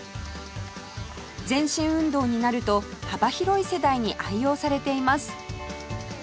全身運動になると幅広い世代に愛用されています